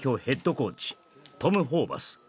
ヘッドコーチトム・ホーバス